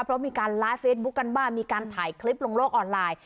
เพราะมีการไลฟ์เฟซบุ๊คกันบ้างมีการถ่ายคลิปลงโลกออนไลน์